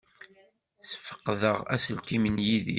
Sfeqdeɣ aselkim n Yidir.